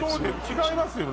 違います